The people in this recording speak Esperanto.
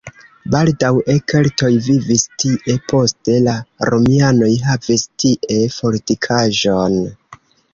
Baldaŭe keltoj vivis tie, poste la romianoj havis tie fortikaĵon.